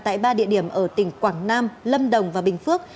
tại ba địa điểm ở tỉnh quảng nam lâm đồng và bình phước